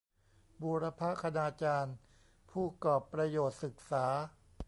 บูรพคณาจารย์ ผู้กอปรประโยชน์ศึกษา